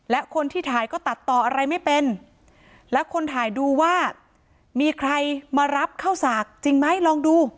และคนที่ถ่ายก็ตัดต่ออะไรไม่เป็นและคนถ่ายดูว่ามีใครมารับเข้าสากจริงไหมลองดู